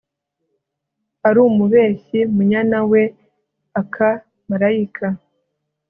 uri umubeshyi munyana we aka malayika